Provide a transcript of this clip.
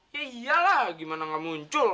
ya iyalah gimana gak muncul